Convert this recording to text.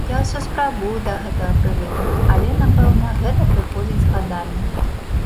Я ўсё спрабую да гэтага прывыкнуць, але, напэўна, гэта прыходзіць з гадамі.